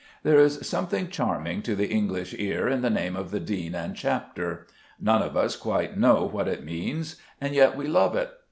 There is something charming to the English ear in the name of the Dean and Chapter. None of us quite know what it means, and yet we love it.